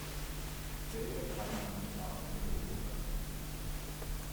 Später kam er ans Straßburger Domkapitel.